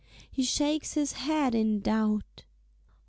He shakes his head in doubt.